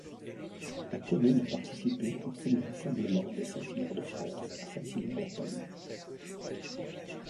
La commune a participé au premier rassemblement des Saint-Hilaire de France à Saint-Hilaire-la-Palud.